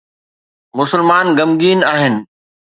مسلمان غمگين آهن